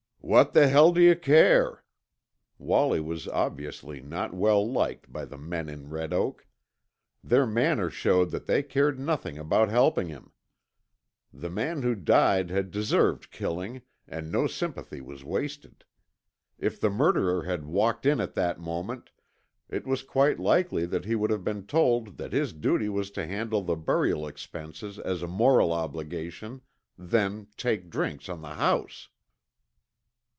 "What the hell d'you care?" Wallie was obviously not well liked by the men in Red Oak. Their manner showed that they cared nothing about helping him. The man who died had deserved killing, and no sympathy was wasted. If the murderer had walked in at that moment, it was quite likely that he would have been told that his duty was to handle the burial expenses as a moral obligation, then take drinks on the house.